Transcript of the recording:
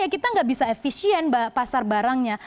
kita nggak bisa efisien pasar barangnya